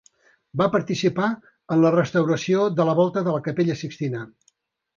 Va participar en la restauració de la Volta de la Capella Sixtina.